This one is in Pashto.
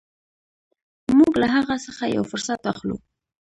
موږ له هغه څخه یو فرصت اخلو.